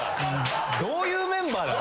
どういうメンバー。